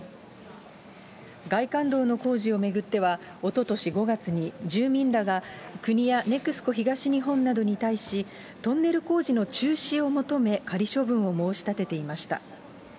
外環道の工事を巡っては、おととし５月に、住民らが国やＮＥＸＣＯ東日本などに対し、トンネル工事の中止を求め、仮処分を申し立てていました。